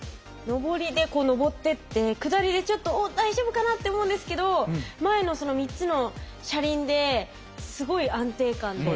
上りで上ってって下りでちょっとおっ大丈夫かなって思うんですけど前のその３つの車輪ですごい安定感で。